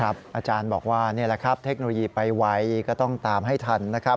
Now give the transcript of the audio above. อาจารย์บอกว่านี่แหละครับเทคโนโลยีไปไวก็ต้องตามให้ทันนะครับ